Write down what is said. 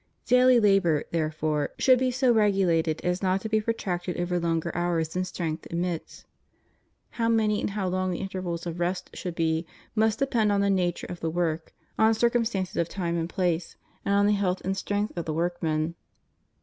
Daily labor, therefore, should be so regulated as not to be protracted over longer hours than strength admits. How many and how long the intervals of rest should be must depend on the nature of the work, on circumstances of time and place, and on the health and strength of the workmen.